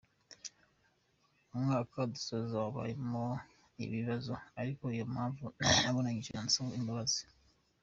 Umwaka dusoza wabayemo akabazo ari yo mpamvu nabakoranyije ngo nsabe imbabazi.